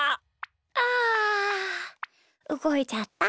あうごいちゃった。